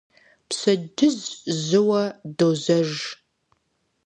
Пщэдджыжь жьыуэ дожьэж.